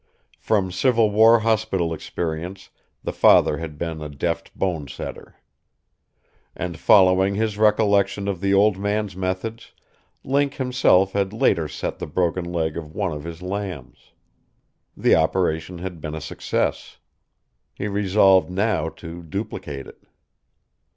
From Civil War hospital experience the father had been a deft bonesetter. And following his recollection of the old man's methods, Link himself had later set the broken leg of one of his lambs. The operation had been a success. He resolved now to duplicate it.